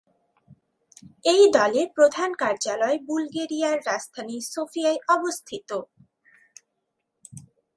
এই দলের প্রধান কার্যালয় বুলগেরিয়ার রাজধানী সফিয়ায় অবস্থিত।